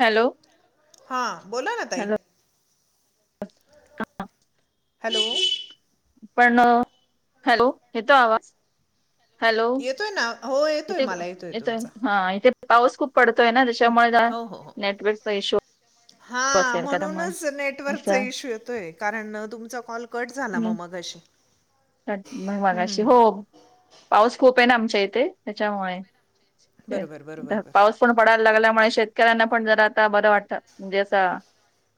Hello. हां, बोला ना ताई. Hello hello! पण, हॅलो, येतो आवाज? हॅलो! येतोय ना. हो, येतोय मला, येतोय तुमचा. हा, इथे पाऊस खूप पडतोय ना हं, त्याच्यामुळे काय, नेटवर्कचा इशू. हा, म्हणूनच नेटवर्कचा असं इश्यू येतोय कारण तुमचा कॉल कट झाला म मगाशी. कट म हं, हं, मगाशी हं. हो, पाऊस खूप आहे ना आमच्या इथे, त्याच्यामुळे. बरोबर बरोबर बरोबर पाऊस पडून पडायला लागल्यामुळे शेतकऱ्यांना पण जरा आता बरं वाटतं. म्हणजे असं,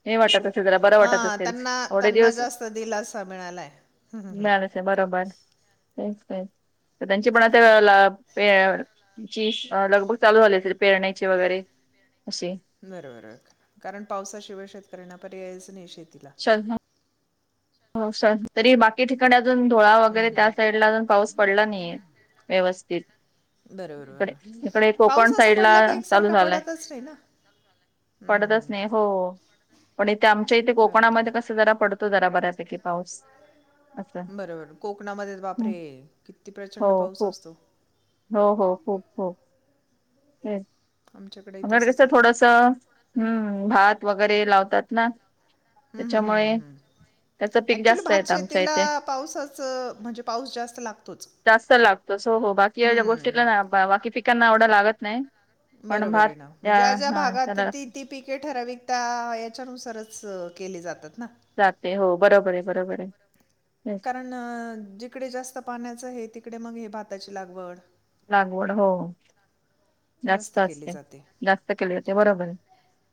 हे वाटतं. जरा बरं वाटत हां असेल. त्यांना एवढे त्यांना दिवस जास्त दिलासा मिळालाय हं, हं, हं. मिळाले बरोबर. तेच तेच. त्यांची पण आता [unintelligible] ते ची लगबग चालू झाली असेल, पेरण्याची वगैरे असे. बरोबर, कारण पावसाशिवाय शेतकऱ्यांना पर्यायचं नाही शेतीला. [unintelligible] तरी बाकी ठिकाणी अजून, धुळा हं, वगैरे हं, हं. त्या साईडला अजून पाऊस पडला नाहीये व्यवस्थित. बरोबर इकडे, इकडे बरोबर पाऊस कोकण असा साइडला पडला की चालू एकसारखा झालाय. पडतच नाही ना हं, हं, पडतच हं. नाही, हो, पण इथे, आमच्या इथे बरोबर आहे कोकणामध्ये कसं, जरा पडतो जरा बऱ्या पैकी पाऊस. असं बरोबर. कोकणामध्ये हम्म. बापरे कित्ती हो प्रचंड पाऊस खूप असतो. हो हो, खूप, हो. ए आमच्याकडे [unintelligible] तसंच कसंय होतं थोडसं, हं. भात वगैरे लावतात ना. हूं हूं हूं हूं त्याच्यामुळे हूं. त्याचं पीक एक्च्युली जास्त भात येत आमच्या शेतीला इथे पाऊसच, म्हणजे पाऊस जास्त लागतोच. जास्त लागतोच. हो हो, बाकी एव्हढ्या गोष्टीला हम्म ना, बाकी पिकांना एव्हढा लागत नाही. पण बरोबर भात आहे ना. या म्हणजे, ज्या ज्या हा भागात त्याला ती ती पिके ठराविकता याच्यानुसारच केली जातात ना. जाते. हो बरोबरयं, बरोबरयं. कारण जिकडे जास्त पाण्याचं हे तिकडे मग हे भाताची लागवड. लागवड हो. जास्त केली असते, जाते जास्त केली जाते, बरोबरयं.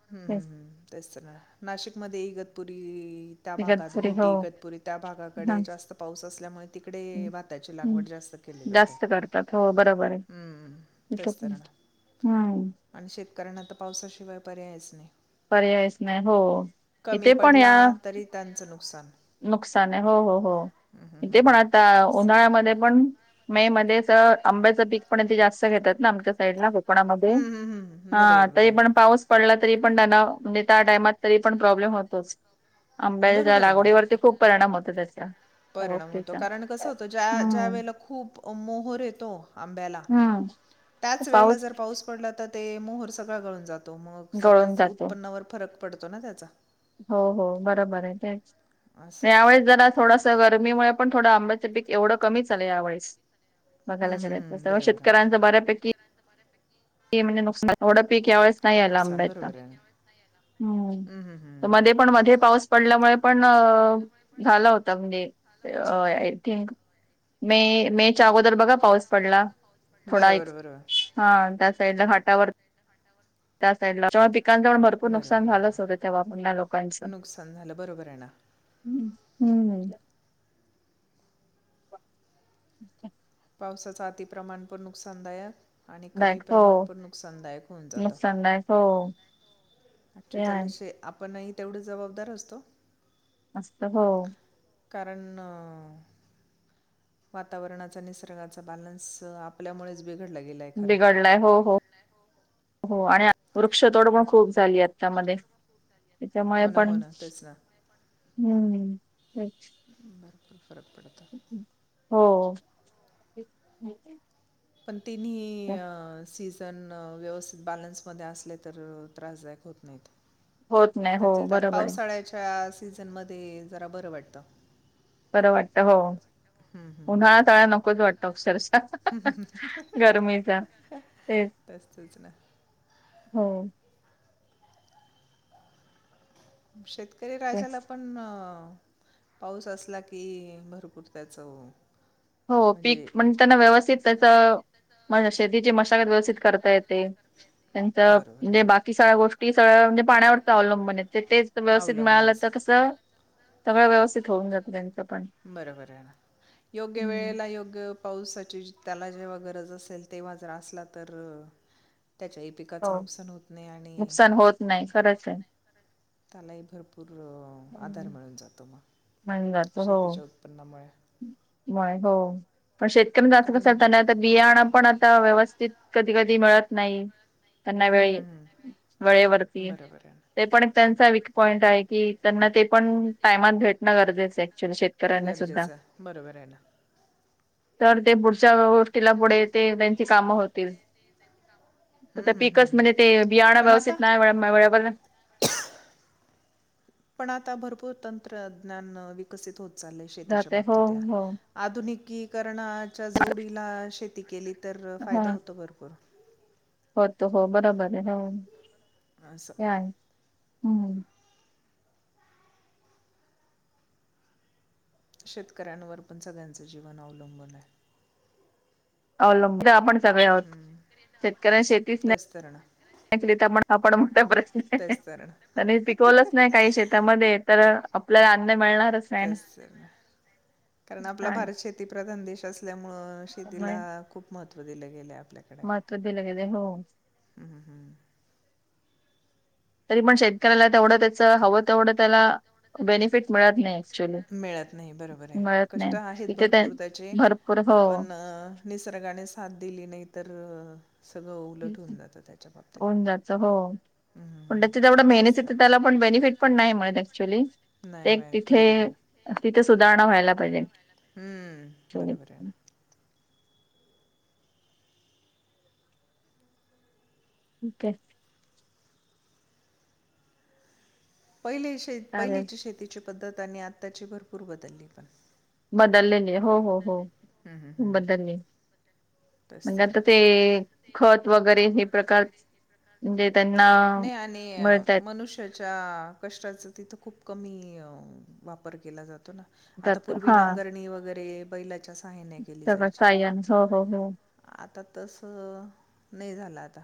हं, हं, हं. तेच ना, नाशिकमध्ये इगतपुरी त्या भागात इगतपुरी हो घोटी, इगतपुरी त्या हा भागाकडे जास्त पाऊस असल्यामुळे, तिकडे भाताची हम्म लागवड जास्त केली जाते. जास्त करतात, हो बरोबरयं. हं. इथं तेच पण. तर ना हूं. आणि शेतकऱ्यांना तर पावसाशिवाय पर्यायच नाय. पर्यायच नाही हो. इथे पण या पडला तरी त्यांचं नुकसान. नुकसानयं. हो, हो, हो. हं, हं, इथे पण हं. आता तेच. उन्हाळ्यामध्ये पण मे मध्येच आंब्याचं पीक पण इथे जास्त घेतात ना, आमच्या साईडला. णामध्ये. हं, हं, हं. हा, बरोबर, तरी पण बरोबर. पाऊस पडला तरी पण त्यांना म्हणजे त्या टाईमात तरी पण प्रॉब्लेम होतोच. आंब्याच्या बरोबर आहे ना. लागवडीवरती खूप परिणाम होतो त्याचा. त्या परिणाम होतो, गोष्टीचा. कारण कसं होतं ज्या ज्या हम्म वेळेला खूप मोहर येतो, आंब्याला हम्म त्याच वेळेला जर पाऊस पडला तर ते, मोहोर सगळा गळून जातो, मग गळून सगळंच जातो. उत्पन्नावर फरक पडतो ना त्याचा. हो हो, बरोबर आहे. तेच. असं यावेळेस जरा थोडस गरमीमुळे पण थोडं आंब पिकं एवढ कमीच आलय या वेळेस बघाय हम्म, हम्म, गेलं तर, हम्म. त्यामुळे बरोबर आहे शेतकऱ्यांच बऱ्यापैकी म्हणजे नुकसान थोडं पीक यावेळेस नाही आलं नुकसान आंब्याच. बरोबर आहे हम्म, हम्म, हम्म. मध्ये पण मध्ये पाऊस पडल्यामुळे, पण झाला होता म्हणजे आय थिंक मे, मे च्या अगोदर बघा पाऊस पडला, थोडा एक बरोबर बरोबर हा, त्या साईडला घाटावर त्या साईडला पिकांच पण भरपूर बरोबर नुकसान झालंच होतं, बरोबर तेव्हा पण त्या लोकांच. नुकसान झालं बरोबर आहे ना हम्म हम्म. ह पावसाचा अतिप्रमाणपण नुकसानदायक आणि कमी दायक हो प्रमाणपण नुकसानदायक होऊन जातं. नुकसानदायक हो अच ते त्याला आहे. शे आपणही तेवढे जबाबदार असतो. असतो, हो. कारण वातावरणाचा निसर्गाचा बॅलन्स आपल्यामुळेच बिघडला गेलाय खरा. बिघडलाय हो हो, आणि वृक्षतोड पण खूप झाली त्यामध्ये त्याच्यामुळे हो ना हो पण ना तेच ना भरपूर फरक पडत. हो. पण तिन्ही सी पण व्यवस्थित बॅलन्समध्ये असले तर त्रासदायक होत नाहीत. होत नाही हो त्याची त्यात बरोबर आहे पावसाळ्याच्या सीझनमध्ये जरा बरं वाटतं. बरं वाटत, हो. हं, हं. उन्हाळा [unintelligible] नकोच वाटतो, अक्षरशः गरमीचा. तेच [unintelligible] हो. शेतकरी तेच. राजाला पण पाऊस असला की, भरपूर त्याच हो, पिकं म्हणताना व्यवस्थित त्याच म शेतीची मशागत व्यवस्थित करता येते, त्यांच बरोबर आहे म्हणजे बाकी सगळ्या गोष्टी सगळ्या म्हणजे पाण्यावरच अवलंबन आहेत, तेच ना व्यवस्थित मिळालं अवलंबूनच तर कसं सगळं व्यवस्थित होऊन जातं, त्यांचं पण बरोबर आहे. योग्य हम्म. वेळेला, योग्य पावसाची त्याला जेव्हा गरज असेल, तेव्हा जर असला तर, त्याच्या हो पिकाचं नुकसान होत नाही आणि नुकसान होत नाही, खरंच आहे. त्यालाही भरपूर आधार हम्म. मिळून जातो, मग शेतीच्या उत्पन्नामुळे. नाही हो, पण शेत कारण [unintelligible] बियाण पण आता व्यवस्थित कधी कधी मिळत नाही. त्यांना हम्म वेळे हम्म हम्म. वेळेवरती. बरोबर आहे ना. ते पण एक त्यांचा वीक पॉईंट आहे, की त्यांना ते पण टायमात भेट नं गरजेचं ऍक्च्युली शेतकऱ्यांना सुद्धा. गरजेचं आहे. बरोबर आहे ना. तर ते पुढच्या गोष्टीला पुढे ते त्यांची कामं होतील. तर हम्म, ते हम्म, पीकच हम्म. म्हणजे ते बियाणं पण आता व्यवस्थित नाही वळ मं वेळेवर पण आता भरपूर तंत्रज्ञान विकसित होत चाललंय शेतीच्या जाते हो बाबतीत यां. हो आधुनिकीकरणाच्या जोडीला शेती केली तर फायदा हा. होतो भरपूर. होतो हो बरोबर आहे हो असं या हूं! शेतकऱ्यांवर पण सगळ्यांचं जीवन अवलंबून आहे. अवलंब जे आपण सगळे हम्म, आहोत हम्म. शेतकऱ्यांनं शेतीच नाही तेच तर ना [unintelligible] हापण मोठा प्रश्न तेच तर ना त्यांने पिकवलच नाही काही शेतामध्ये तर आप ल्याला अन्न मिळणारच नाही ना. [unintelligible] कारण आपला काय भारत शेती प्रधान देश असल्यामुळं, त्यामुळे शेतीला खूप महत्त्व दिलं गेलं आपल्या. महत्त्व दिल गेलं हो. हूं हूं! तरी पण शेतकऱ्याला तेवढं त्याच हवं तेवढं त्याला बेनिफिट मिळत नाही. ऍक्च्युली मिळत नाही बरोबर आहे, मिळत नाही कष्ट आहेत तिथे त्या भरपूर त्याचे भरपूर हो पण निसर्गाने साथ दिली नाही तर सगळं उलट होऊन जातं त्याच्या बाबतीत. जायचं हो. पण हम्म, त्याची तेवढ मेहनत तेच तर येते, त्याला पण बेनिफिट पण नाही मिळत ॲक्च्युअली. नाही ते मिळत तिथे बरोबर आहे ना तिथे सुधारणा व्हायला पाहिजे. हूं ऍक्च्युली बरोबर आहे ना. ठीक [unintelligible] पहिली शे चालेल पहिलीची शेतीची पद्धत, आणि आत्ताची भरपूर बदलली पण. बदललेले हो हो हो हम्म, हम्म, हम्म. बदलले. तेच म्हणजे तर आता ना. ते खत वगैरे हे प्रकार म्हणजे त्यांना मिळतात. च्या कष्टाच तिथं खूप कमी वापर केला जातो ना. आता जातो पूर्वी हा नांगरणी वगैरे बैलाच्या साहाय्याने केली सगळं जायची सायन हो हो हो आता तस नही झालं आता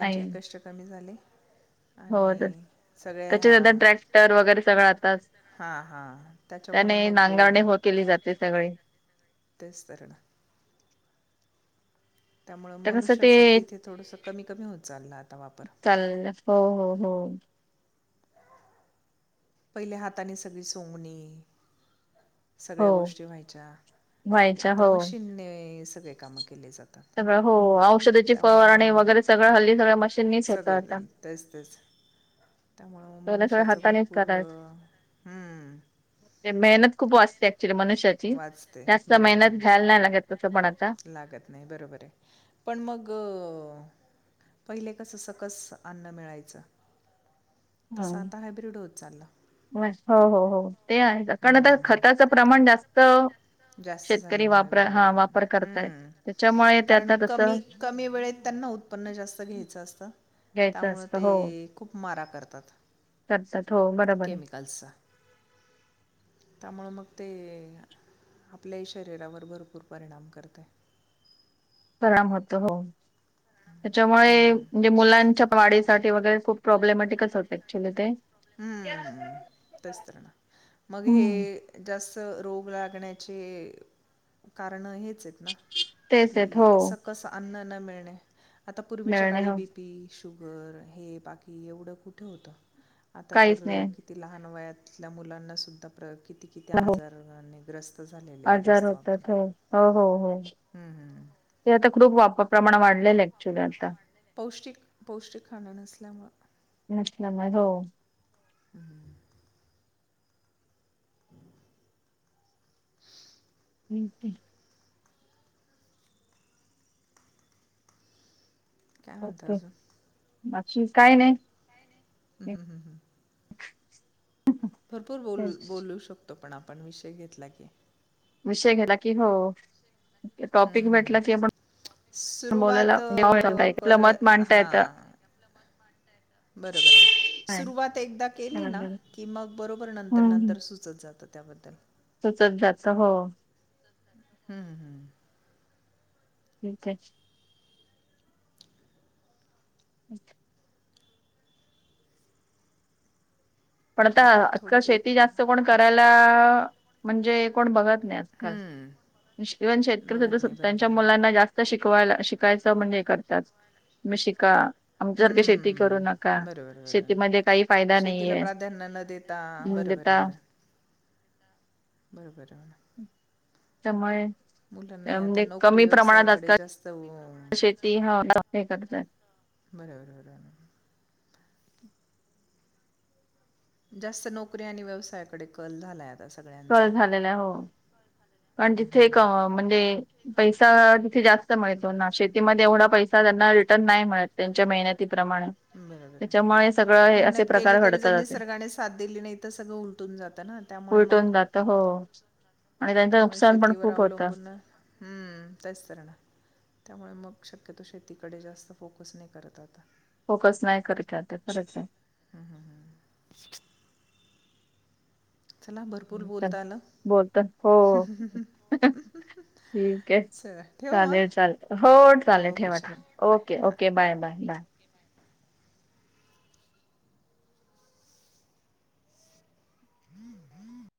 नाही [unintelligible] कमी झाली हो आणि सगळे ह्या. त्याच्या ट्रॅक्टर वगैरे सगळं आता हा हा त्याच्यामुळे मग. अ, गाणे हो केली जाते सगळी तेच तर ना. त्यामुळं आता कसं ते मनुष्याचं तिथे थोडंसं कमी कमी होत चाललं आता वापर. चाल्ल हो हो हो. पहिले हाताने सगळी सोंगणी सगळ्या हो गोष्टी व्हायच्या, व्हायच्या आता हो मशीनने सगळे काम केले जातात. सगळं हो औषधाची फवारणी त्यामुळं वगैरे सगळं हल्ली सगळ्या मशीननीच होतं सगळ आता तेच तेच. त्यामुळं पहिलं सगळं मनुष्याचं हातानेच भरपूर करायचं हूं! मेहनत खूप वाचती ऍक्च्युली मनुष्याची, वाचते जास्त बरोबर आहे मेहनत ना घ्यायला नाही लागत तसं पण आता. लागत नाही बरोबर आहे, पण मग पहिले कसं सकस अन्न मिळायचं. तसं हं आता हायब्रीड होत चाललं हम्म, वास हो हो हो ते आहे कानं हम्म, आता हम्म. खत [inaudible] प्रमाण जास्त. जास्त शेतकरी झाल्यामुळे वापर बरोबर हा आहे वापर करतायत हम्म त्याच्यामुळे ते कारण आता कमी तसं कमी वेळेत त्यांना उत्पन. उपन्न जास्त घ्यायचं असतं. घ्यायच त्यामुळं असतं हो. ते खूप मारा करतात. करतात हो बरोबर आहे. [inaudible] त्यामुळं ते आपल्याही शरीरावर भरपूर परिणाम करते. परिणाम होत हो त्याच्यामुळे हम्म, म्हणजे तेच तर मुलांच्या ना वाढीसाठी वगैरे खूप. प्रॉब्लेमॅटिक होते ॲक्च्युली ते. हम्म तेच तर मग हम्म हे. जास्त रोग लागण्याचे कारणं हेच आहेत. तेच आहेत कि हो सकस अन्न न मिळणे आता पूर्वीच्या मिळणे काळी हो बीपी. शुगर हे बाकी एवढं कुठे होतं. आता तर काहीच नाही किती लहान वयातल्या मुलांना सुद्धा प्रयोग किती किती हो आजार होणार. आजार होतात हो हो हो हो. हं, हं. ते आता खूप वाप प्रमाण वाढलेलं ऍक्च्युली आता. पौष्टिक पौष्टिक खांण नसल्यामुळं. [inaudible] हो [inaudible] [inaudible] हो म्हणता काय. अजून? बाकी काय नाही. हम् हम् भरपूर बोल तेच बोलू शकतो. पण आपण विषय घेतला की. विषय घ्याला की हो हं, टॉपिक हं. भेटला की आपण. बोलायला सुरुवात अ, कर मत मांडता येत. हां. बरोबर सुरुवात एकदा केली ना, हम्म की मग बरोबर नंतर हम्म, नंतर सुचत. [inaudible] त्याबद्दल सुचत जात हो. हम्म हम्म. ठीक आहे. [inaudible] पण आता आहे थोडं आजकाल एक शेती जास्त कोण करायला म्हणजे कोण बघत नाही. हं. न शेतकरी बघत नाही [inaudible] त्यांच्या बरोबर आहे ना. मुलांना जास्त. शिकवायला शिकायचं म्हणजे हे करतात. तुम्ही शिका. हं, आमच्यासारखी हं, शेती करू नका. हं. बरोबर, शेतीमध्ये काही फायदा नाहीये. त्यांना न देता. म्हणजे बरं बरं आता. बरं. त्यामुळे. त्या मुलांनाही आता मध्ये नोकरी कमी प्रमाणात व्यवसायाकडे जास्त अ, असतात शेती ह करतात. बरोबर बरोबर. जास्त नोकरी आणि व्यवसायाकडे कल झालाय आता सगळ्यांचा. हो. अन हं, जिथे हं, एक हं. म्हणजे, पैसा तिथे जास्त मिळतो ना. शेतीमध्ये एवढा पैसा त्यांना रिटर्न नाही मिळत, त्यांच्या मेहनतीप्रमाणे. बरोबर. त्याच्यामुळे सगळं हे असे मेहनत केली प्रकार तरी जर घडतात असे निसर्गाने साथ दिली नाही, तर सगळं उलटून जात ना. त्यामुळे मग तर हो. आणि त्यांचं त्यामुळे नुकसान पण शेतीवर खूप होतं. अवलंबून हम्म तेच तर ना. त्यामुळे मग शक्यतो शेतीकडे जास्त फोकस नाही करत आता. फोकस नाही करत आहे आता. खरंच आहे. ह ह ह. चला भरपूर बोलता [unintelligible] आलं. बोलत हो. ठीक आहे. चला ठेवू मग? चालेल चालेल हो चालेल ओके ठेवा चल ठेवा. बाय ओके हां ओके बाय बाय बाय. [inaudible]